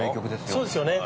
そうですよね。